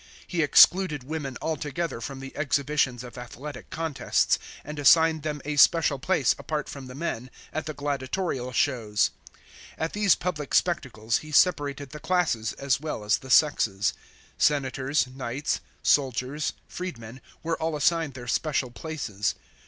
He excluded women altogether from the exhibitions of athletic contests, and assigned them a special place, apart from the men, at the gladiatorial shows. At these public spectacles he separated the classes as well as the sexes. Senators, knights, soldiers, freedmen were all assigned their special places.